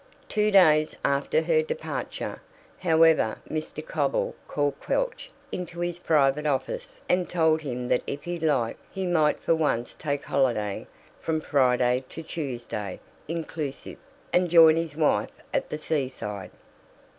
Two days after her departure, however, Mr. Cobble called Quelch into his private office and told him that if he liked he might for once take holiday from the Friday to the Tuesday inclusive, and join his wife at the seaside.